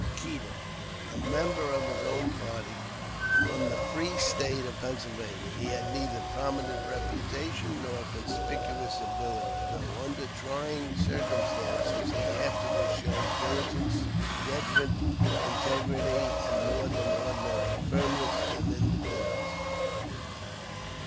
Keeder, a member of his own party, from the free State of Pennsylvania. He had neither prominent reputation nor conspicuous ability, though under trying circumstances he afterwards showed diligence, judgment, integrity, and more than ordinary firmness and independence.